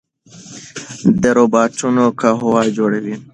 دا روباټونه قهوه جوړوي.